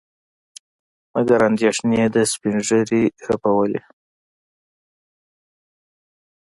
مګر اندېښنې د سپينږيري رپولې.